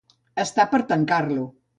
Estar per tancar-lo.